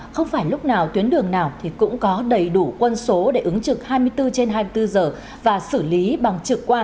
không phải lúc nào tuyến đường nào thì cũng có đầy đủ quân số để ứng trực hai mươi bốn trên hai mươi bốn giờ và xử lý bằng trực quan